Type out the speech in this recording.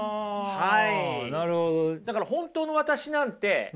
はい。